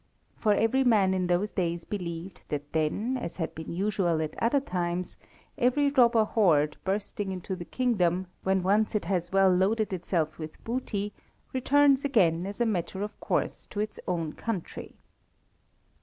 For every man in those days believed that then, as had been usual at other times, every robber horde, bursting into a kingdom, when once it has well loaded itself with booty, returns again as a matter of course to its own country.